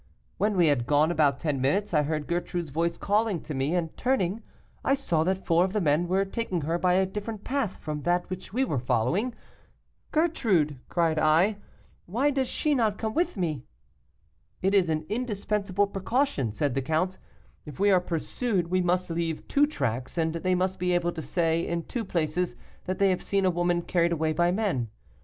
When we had gone about ten minutes, I heard Gertrude's voice calling to me, and turning, I saw that four of the men were taking her by a different path from that which we were following. 'Gertrude,' cried I, 'why does she not come with me?' 'It is an indispensable precaution,' said the count; 'if we are pursued we must leave two tracks, and they must be able to say in two places that they have seen a woman carried away by men.